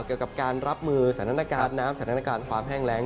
เกี่ยวกับการรับมือสรรพาตน้ำสรรพาการความแห่งแรง